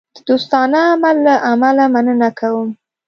د دوستانه عمل له امله مننه کوم.